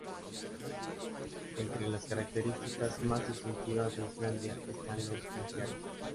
Entre las características más distintivas de Islandia están los glaciares.